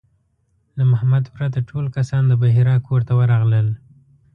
له محمد پرته ټول کسان د بحیرا کور ته ورغلل.